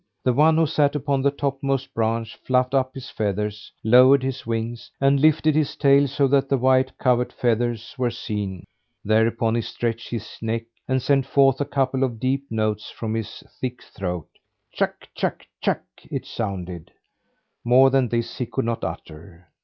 The one who sat upon the topmost branch fluffed up his feathers, lowered his wings, and lifted his tail so that the white covert feathers were seen. Thereupon he stretched his neck and sent forth a couple of deep notes from his thick throat. "Tjack, tjack, tjack," it sounded. More than this he could not utter.